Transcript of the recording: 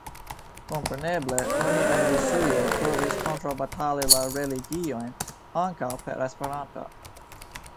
Kompreneble oni en Rusujo provis kontraŭbatali la religiojn ankaŭ per Esperanto.